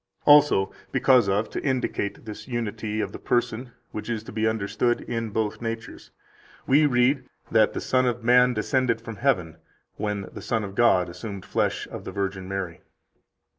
Also, because of [to indicate] this unity of the person which is to be understood in both natures, we read that the Son of Man descended from heaven when the Son of God assumed flesh of the Virgin Mary."